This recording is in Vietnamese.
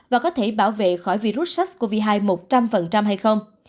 và có thể bảo vệ khỏi virus sars cov hai một trăm linh hay không